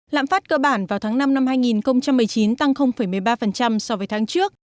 lạm phát cơ bản vào tháng năm năm hai nghìn một mươi chín tăng một mươi ba so với tháng trước